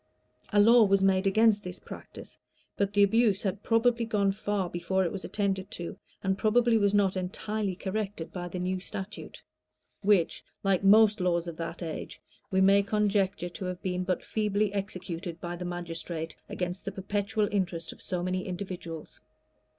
[] A law was made against this practice; but the abuse had probably gone far before it was attended to, and probably was not entirely corrected by the new statute, which, like most laws of that age, we may conjecture to have been but feebly executed by the magistrate against the perpetual interest of so many individuals.